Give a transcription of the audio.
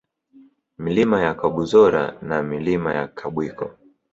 Milima ya Kabuzora na Milima ya Kabwiko